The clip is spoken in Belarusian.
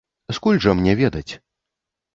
Скуль жа мне ведаць?